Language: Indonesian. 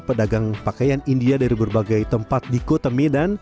ada jualan n four menjual api india dari berbagai tempat di kota medan